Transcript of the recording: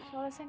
pak aku muncung